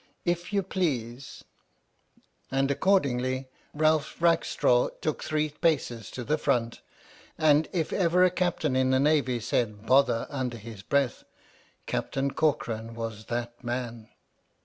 If you please." And accordingly, Ralph Rackstraw took three paces to the front, and if ever a Captain in the Navy said " Bother " under his breath, Captain Corcoran was that man.